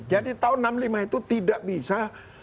jadi tahun seribu sembilan ratus enam puluh lima itu tidak bisa